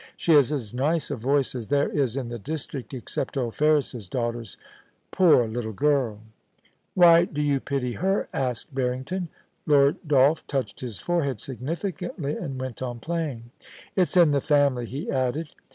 She has as nice a voice as there is in the district, except old Ferris's daughter's — poor little girl !'* Why do you pity her ?* asked Barrington. Lord Dolph touched his forehead significantly, and went on playing. * It's in the family,' he added.